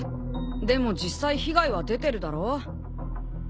でも実際被害は出てるだろ？